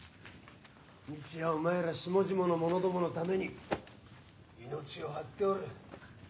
日夜お前ら下々の者どものために命を張っておる。